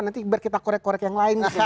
nanti biar kita korek korek yang lain